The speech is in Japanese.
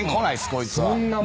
こいつは。